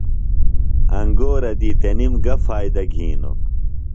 انگورہ دی تِنم گہ فائدہ گِھینوۡ؟